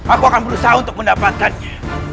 aku akan berusaha untuk mendapatkannya